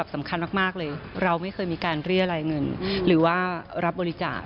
จะมีการเรียกอะไรเงินหรือว่ารับบริจาค